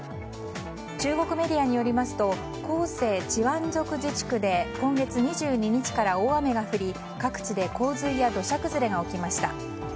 中国メディアによりますと広西チワン族自治区で今月２２日から大雨が降り各地で洪水や土砂崩れが起きました。